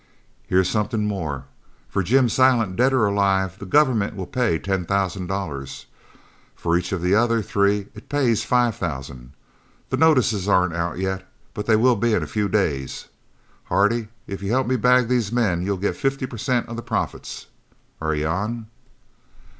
"Here's something more. For Jim Silent, dead or alive, the government will pay ten thousand dollars. For each of the other three it pays five thousand. The notices aren't out yet, but they will be in a few days. Hardy, if you help me bag these men, you'll get fifty per cent of the profits. Are you on?"